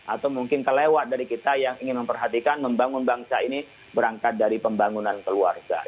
atau mungkin kelewat dari kita yang ingin memperhatikan membangun bangsa ini berangkat dari pembangunan keluarga